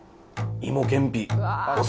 芋けんぴお